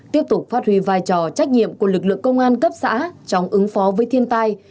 tiếp tục phát huy vai trò trách nhiệm của lực lượng công an cấp xã trong ứng phó với thiên tai